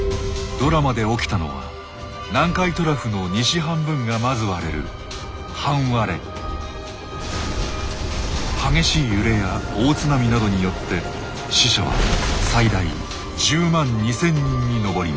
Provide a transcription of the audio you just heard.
ドラマで起きたのは南海トラフの西半分がまず割れる激しい揺れや大津波などによって死者は最大１０万２，０００人に上ります。